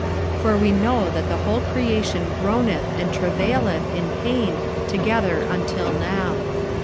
45:008:022 For we know that the whole creation groaneth and travaileth in pain together until now.